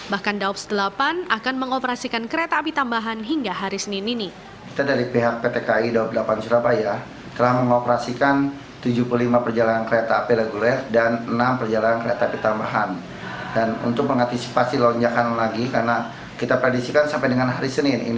bahkan daops delapan akan mengoperasikan kereta api tambahan hingga hari senin ini